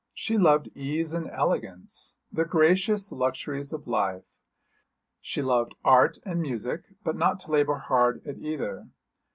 She loved ease and elegance, the gracious luxuries of life. She loved art and music, but not to labour hard at either.